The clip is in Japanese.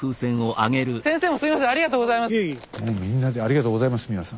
ありがとうございます皆さん。